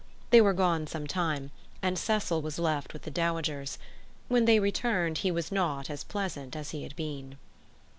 They were gone some time, and Cecil was left with the dowagers. When they returned he was not as pleasant as he had been.